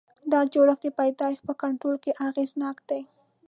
دا جوړښت د پیدایښت په کنټرول کې اغېزناک دی.